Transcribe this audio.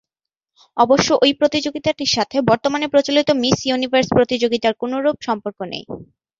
অবশ্য ঐ প্রতিযোগিতাটির সাথে বর্তমানে প্রচলিত মিস ইউনিভার্স প্রতিযোগিতার কোনরূপ সম্পর্ক নেই।